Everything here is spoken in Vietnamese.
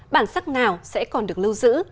bản sắc nào sẽ còn được lưu giữ